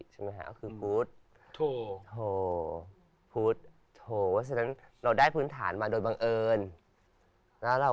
เจอมั้ยก็ลืมตามมาก็ไม่มีอะไร